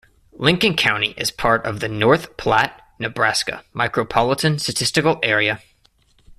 Lincoln County is part of the North Platte, Nebraska Micropolitan Statistical Area.